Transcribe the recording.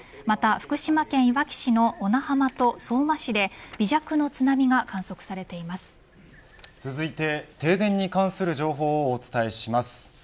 また福島県いわき市の小名浜と相馬市で微弱な津波が続いて停電に関する情報をお伝えします。